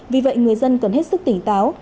vì vậy người dân cần hết sức tỉnh táo